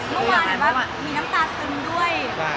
เมื่อวานเห็นว่ามีน้ำตาซึมด้วย